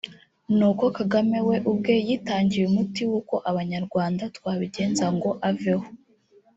ni uko Kagame we ubwe yitangiye umuti w’uko abanyarwanda twabigenza ngo aveho